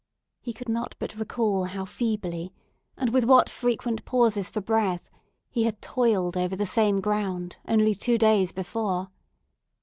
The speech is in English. He could not but recall how feebly, and with what frequent pauses for breath he had toiled over the same ground, only two days before.